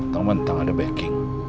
teman teman ada backing